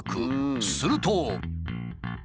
すると。